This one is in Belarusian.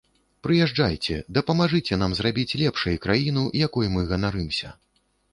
Прыязджайце, дапамажыце нам зрабіць лепшай краіну, якой мы ганарымся!